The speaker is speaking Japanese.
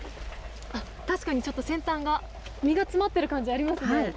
あっ、確かにちょっと先端が、実が詰まってる感じ、ありますね。